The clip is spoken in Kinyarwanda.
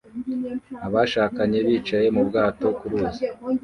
Abashakanye bicaye mu bwato ku ruzi